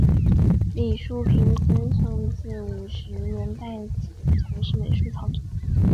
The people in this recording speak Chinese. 李叔平先生自五十年代起从事美术创作。